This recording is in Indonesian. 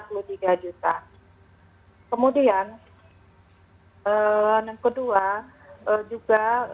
kemudian kedua juga pansus menemukan adanya pembayaran tunai